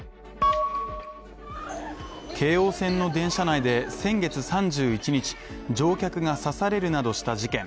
京王線の電車内で先月３１日、乗客が刺されるなどした事件